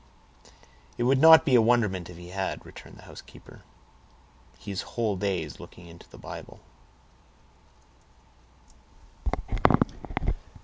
"It would not be a wonderment if he had," returned the housekeeper; "he is whole days looking into the Bible."